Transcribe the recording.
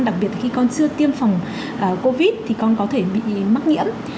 đặc biệt khi con chưa tiêm phòng covid thì con có thể bị mắc nhiễm